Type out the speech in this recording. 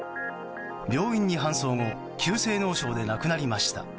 病院に搬送後急性脳症で亡くなりました。